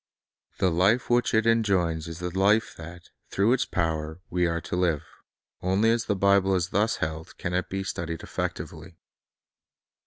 The life which it enjoins is the life that, through its power, we are to live. Only as the Bible is thus held can it be studied effectively.